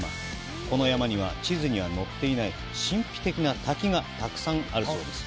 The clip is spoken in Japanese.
この山には、地図には載っていない神秘的な滝がたくさんあるそうです。